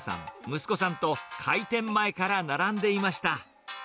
息子さんと開店前から並んでいました。